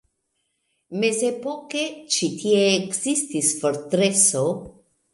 Mezepoke ĉi tie ekzistis fortreso.